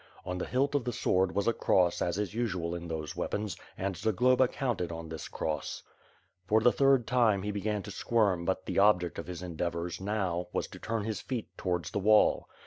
On the hilt of the sword was a cross as is usual in these weapons and Zagloba counted on this cross. For ihe third time he began to squirm but the object of his endeavors, now, was to turn his feet towards the wall.